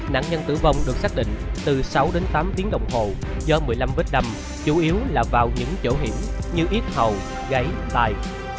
nạn nhân tử vong được xác định từ sáu đến tám tiếng đồng hồ do một mươi năm vết đầm chủ yếu là vào những chỗ hiểm như ít hầu gáy tài